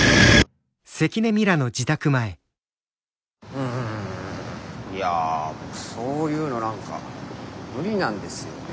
うんいやぁそういうの何か無理なんですよね。